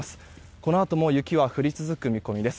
このあとも雪は降り続く見込みです。